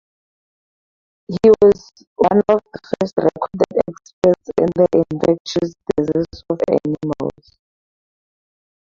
He was one of the first recorded experts in the infectious diseases of animals.